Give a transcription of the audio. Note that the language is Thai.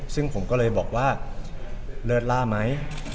ซึ่งผมก็เลยบอกว่าเลิศล่าไหม